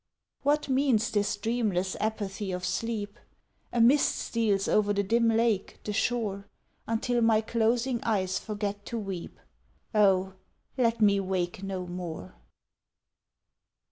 What means this dreamless apathy of sleep? A mist steals over the dim lake, the shore, Until my closing eyes forget to weep Oh, let me wake no more!